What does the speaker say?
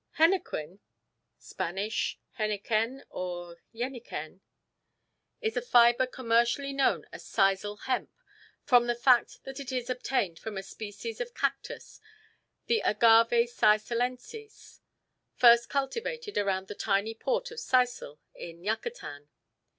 Henequen (Spanish jeniquen or geniquen) is a fibre commercially known as Sisal hemp, from the fact that it is obtained from a species of cactus, the Agave Sisalensis, first cultivated around the tiny port of Sisal in Yucatan.